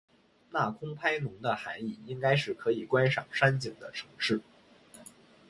那空拍侬的涵义应该是可以观赏山景的城市。